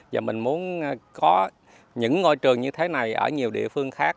và mình muốn có những ngôi trường như thế này ở nhiều địa phương khác